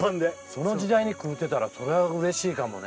その時代に食うてたらそらうれしいかもね。